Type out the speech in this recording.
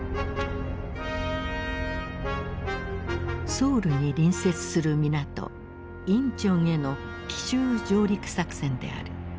ソウルに隣接する港仁川への奇襲上陸作戦である。